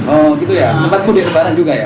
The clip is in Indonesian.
oh gitu ya sempat kembali ke barat juga ya